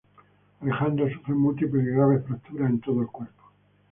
Alejandra sufre múltiples y graves fracturas en todo el cuerpo.